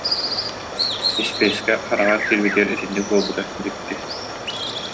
Испиэскэ хараҕар киирбитигэр итинник буолбута дьикти